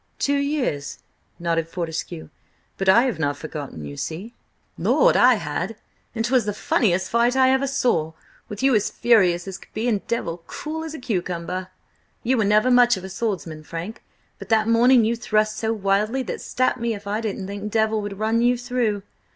"Two years," nodded Fortescue, "but I have not forgotten, you see!" "Lord, I had! And 'twas the funniest fight I ever saw, with you as furious as could be and Devil cool as a cucumber. You were never much of a swordsman, Frank, but that morning you thrust so wildly that stap me if I didn't think Devil would run you through.